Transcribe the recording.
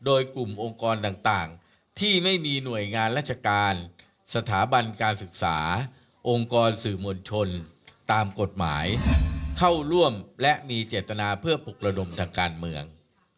โดยกลุ่มองค์กรต่างที่ไม่มีหน่วยงานราชการสถาบันการศึกษาองค์กรสื่อมวลชนตามกฎหมายเข้าร่วมและมีเจตนาเพื่อปลุกระดมทางการเมือง